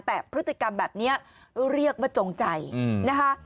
แต่พฤติกรรมแบบนี้เรียกว่าจงใจนะคะ